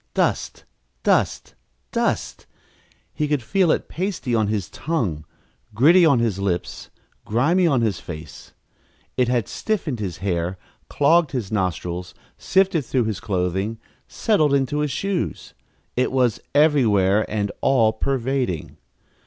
Dust, dust, dust! He could feel it pasty on his tongue, gritty on his lips, grimy on his face. It had stiffened his hair, clogged his nostrils, sifted through his clothing, settled into his shoes. It was everywhere and all pervading.